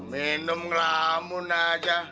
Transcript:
minum ngelamun aja